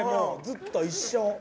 ずっと一生。